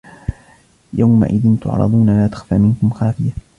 يَوْمَئِذٍ تُعْرَضُونَ لَا تَخْفَى مِنْكُمْ خَافِيَةٌ